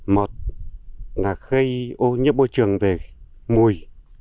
một là gây ô nhiễm môi trường về mùi